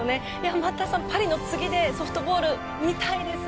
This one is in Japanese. またパリの次でソフトボール見たいです。